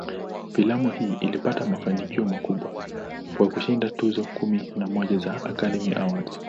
Filamu hii ilipata mafanikio makubwa, kwa kushinda tuzo kumi na moja za "Academy Awards".